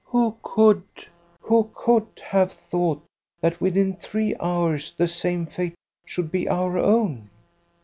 Who could who could have thought that within three hours the same fate should be our own?